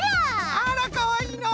あらかわいいのう。